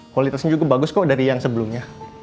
kualitasnya juga bagus kok dari yang sebelumnya